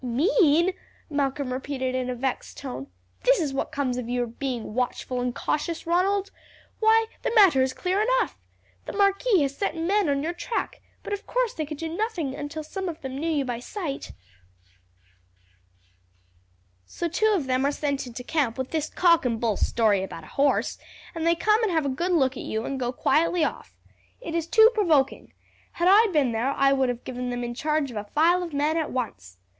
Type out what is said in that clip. "Mean!" Malcolm repeated in a vexed tone. "This is what comes of your being watchful and cautious, Ronald. Why, the matter is clear enough. The marquis has set men on your track, but of course they could do nothing until some of them knew you by sight, so two of them are sent into camp with this cock and bull story about a horse, and they come and have a good look at you and go quietly off. It is too provoking. Had I been there I would have given them in charge of a file of men at once.